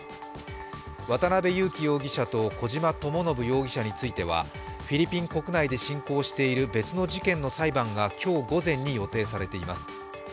渡辺優樹容疑者と小島智信容疑者についてはフィリピン国内で進行している別の事件の裁判が今日午前に予定されています。